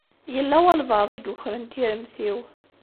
Yella walebɛaḍ i yukren tiremt-iw.